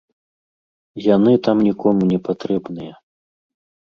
Яны там нікому не патрэбныя.